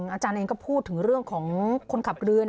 อาจารย์เองก็พูดถึงเรื่องของคนขับเรือ